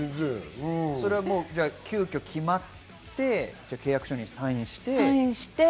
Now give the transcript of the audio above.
急きょ決まって、契約書にサインして。